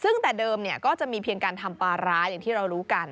ซึ่งแต่เดิมก็จะมีเพียงการทำปลาร้าอย่างที่เรารู้กัน